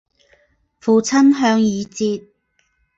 父亲向以节。